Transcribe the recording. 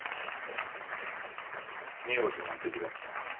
見事な出来だった。